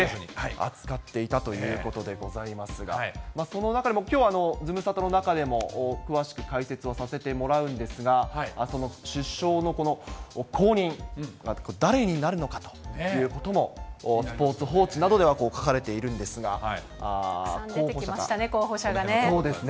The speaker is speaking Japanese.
扱っていたということでございますが、その中でも、きょう、ズムサタの中でも詳しく解説をさせてもらうんですが、その首相の、この後任、誰になるのかということもスポーツ報知などでは書かれているんでたくさん出てきましたね、そうですね。